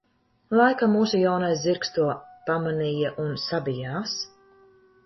Laikam mūsu jaunais zirgs to pamanīja un sabijās.